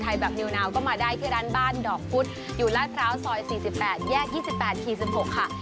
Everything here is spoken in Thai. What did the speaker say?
ขนมไทยแบบนิวนาวก็มาได้ที่ร้านบ้านดอกฟุตอยู่ร้านพร้าวซอย๔๘แยก๒๘คีย์๑๖ค่ะ